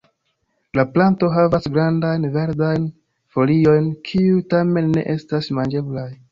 La planto havas grandajn, verdajn foliojn, kiuj tamen ne estas manĝeblaj.